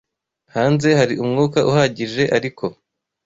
hanze hari umwuka uhagije ariko